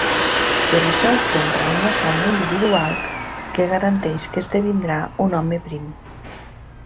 Per això es compra una sauna individual que garanteix que esdevindrà un home prim.